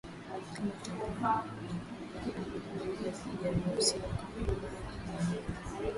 kama tumbaku na pombe ambazo hazijaruhusiwa kama bangi mirungi